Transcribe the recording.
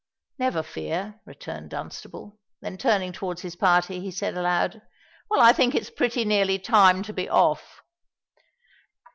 "Never fear," returned Dunstable;—then turning towards his party, he said aloud, "Well, I think it is pretty nearly time to be off."